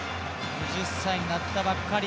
２０歳になったばかり。